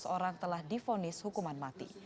tujuh belas orang telah difonis hukuman mati